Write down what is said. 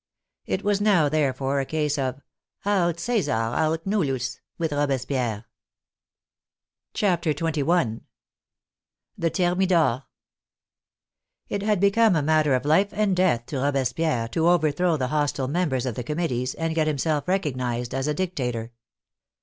It was now, therefore, a case of " aut Caesar aut nullus," with Robespierre. CHAPTER XXI THE THERMIDOR It had become a matter of life and death to Robespierre to overthrow the hostile members of the committees and get himself recognized as a dictator.